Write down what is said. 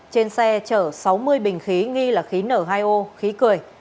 trên xe chở sáu mươi bình khí nghi là khí nở hai ô khí cười